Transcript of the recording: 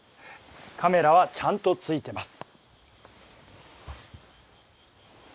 カメラはちゃんとついてます。